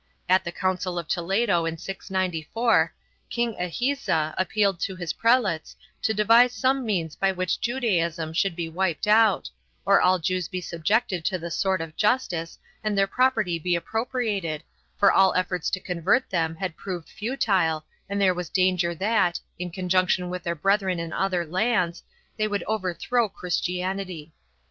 At the council of Toledo in 694, King Egiza appealed to his prelates to devise some means by which Judaism should be wiped out, or all Jews be subjected to the sword of justice and their property be appropriated, for all efforts to convert them had proved futile and there was danger that, in conjunction with their brethren in other lands, they would overthrow Christianity.